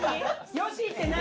「よし！」って何？